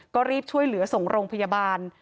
ก็รีบช่วยเหลือส่งโรงพยาบาล